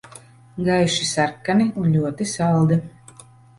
Gaiši sarkani un ļoti saldi.